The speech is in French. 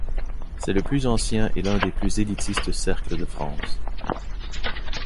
C'est le plus ancien et l'un des plus élitistes cercles de France.